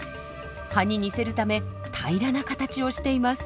葉に似せるため平らな形をしています。